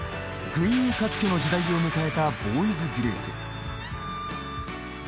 群雄割拠の時代を迎えたボーイズグループ。